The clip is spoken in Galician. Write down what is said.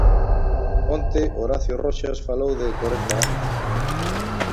Onte Horacio Roxas falou de corenta anos.